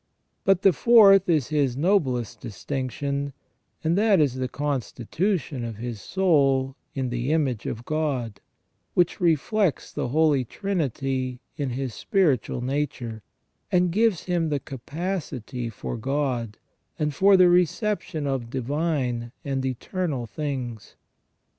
But the fourth is his noblest distinction, and that is the constitution of his soul in the image of God, which reflects the Holy Trinity in his spiritual nature, and gives him the capacity for God, and for the reception of divine and eternal things.